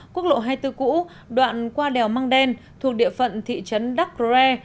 quốc lộ hai mươi bốn cũ đoạn qua đèo mang đen thuộc địa phận thị trấn đắc ròe